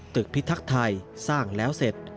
พิทักษ์ไทยสร้างแล้วเสร็จ